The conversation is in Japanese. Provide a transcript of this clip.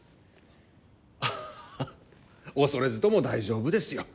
ハハ恐れずとも大丈夫ですよ。